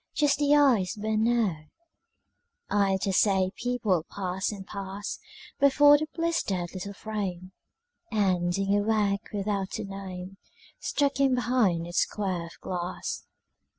Just the eyes burn now. I dare say people pass and pass Before the blistered little frame, And dingy work without a name Stuck in behind its square of glass.